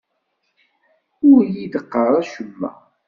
Ur yi-d-qqar acemma.